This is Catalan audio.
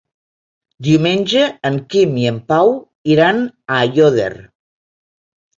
Diumenge en Quim i en Pau iran a Aiòder.